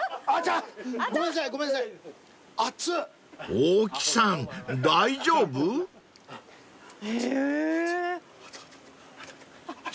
［大木さん大丈夫？］熱熱。